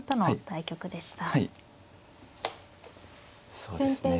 そうですね。